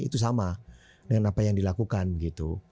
itu sama dengan apa yang dilakukan gitu